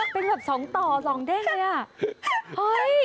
เป็นแบบ๒ต่อ๒เด้งเลย